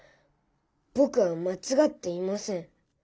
ぼくはまちがっていません。